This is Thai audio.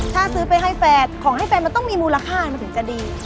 ถ้าซื้อไปให้แฟนของให้แฟนมันต้องมีมูลค่ามันถึงจะดี